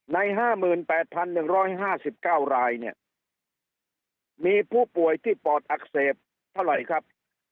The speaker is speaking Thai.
ใน๕๘๑๕๙รายเนี่ยมีผู้ป่วยที่ปอดอักเสบเท่าไหร่ครับ